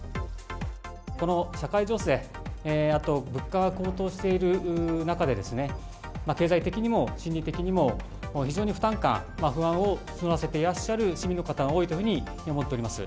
この社会情勢、あと物価が高騰している中でですね、経済的にも心理的にも非常に負担感、不安を募らせていらっしゃる市民の方が多いというふうに思っております。